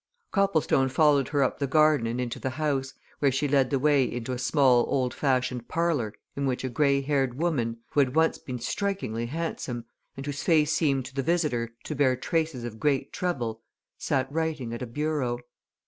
Copplestone followed her up the garden and into the house, where she led the way into a small old fashioned parlour in which a grey haired woman, who had once been strikingly handsome, and whose face seemed to the visitor to bear traces of great trouble, sat writing at a bureau.